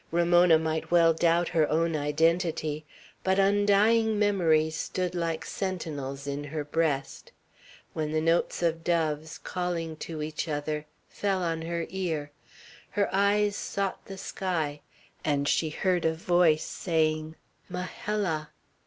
Ramona might well doubt her own identity. But undying memories stood like sentinels in her breast. When the notes of doves, calling to each other, fell on her ear, her eyes sought the sky, and she heard a voice saying, "Majella!"